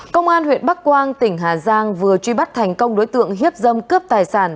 công an huyện bắc quang tỉnh hà giang vừa truy bắt thành công đối tượng hiếp dâm cướp tài sản